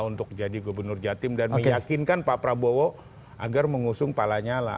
untuk jadi gubernur jatim dan meyakinkan pak prabowo agar mengusung pak lanyala